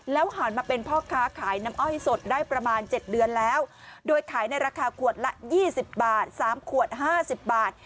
หันมาเป็นพ่อค้าขายน้ำอ้อยสดได้ประมาณ๗เดือนแล้วโดยขายในราคาขวดละ๒๐บาท๓ขวด๕๐บาท